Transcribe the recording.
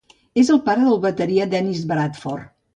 És el pare del bateria Dennis Bradford.